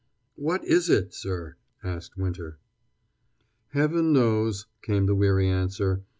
"What is it, sir?" asked Winter. "Heaven knows," came the weary answer.